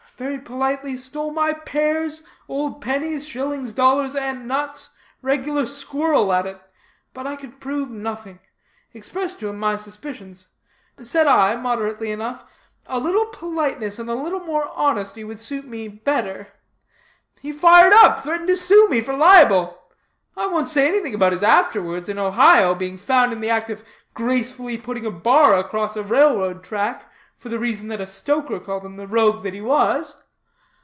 Very politely stole my pears, odd pennies, shillings, dollars, and nuts; regular squirrel at it. But I could prove nothing. Expressed to him my suspicions. Said I, moderately enough, 'A little less politeness, and a little more honesty would suit me better.' He fired up; threatened to sue for libel. I won't say anything about his afterwards, in Ohio, being found in the act of gracefully putting a bar across a rail road track, for the reason that a stoker called him the rogue that he was.